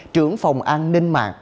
trưởng phòng an ninh mạng